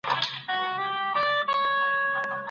مخکي له درسه باید ذهن چمتو سي.